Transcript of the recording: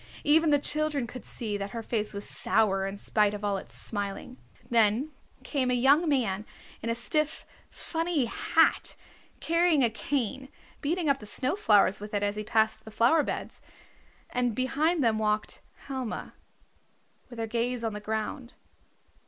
Even the children could see that her face was sour in spite of all its smiling. Then came a young man in a stiff, funny hat, carrying a cane, beating up the snow flowers with it as he passed the flower beds. And behind them walked Helma, with her gaze on the ground.